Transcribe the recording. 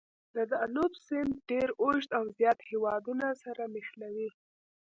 د دانوب سیند ډېر اوږد او زیات هېوادونه سره نښلوي.